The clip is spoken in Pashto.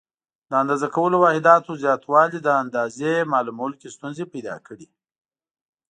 د اندازه کولو واحداتو زیاتوالي د اندازې معلومولو کې ستونزې پیدا کړې.